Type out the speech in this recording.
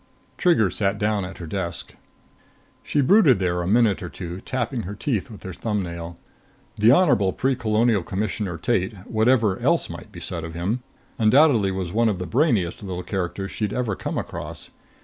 Trigger sat down at her desk. She brooded there a minute or two, tapping her teeth with her thumbnail. The Honorable Precolonial Commissioner Tate, whatever else might be said of him, undoubtedly was one of the brainiest little characters she'd ever come across.